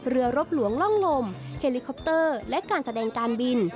รบหลวงร่องลมเฮลิคอปเตอร์และการแสดงการบิน